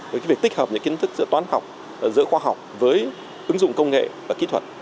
với việc tích hợp những kiến thức giữa toán học giữa khoa học với ứng dụng công nghệ và kỹ thuật